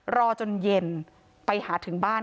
ความปลอดภัยของนายอภิรักษ์และครอบครัวด้วยซ้ำ